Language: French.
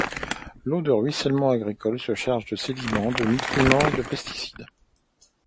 L'eau de ruissellement agricole se charge de sédiments, de nutriments, et de pesticides.